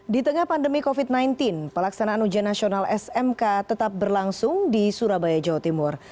di tengah pandemi covid sembilan belas pelaksanaan ujian nasional smk tetap berlangsung di surabaya jawa timur